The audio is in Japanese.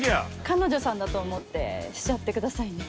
彼女さんだと思ってしちゃってくださいね。